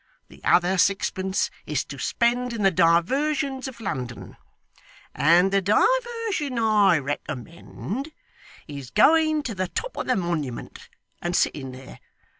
The other sixpence is to spend in the diversions of London; and the diversion I recommend is going to the top of the Monument, and sitting there.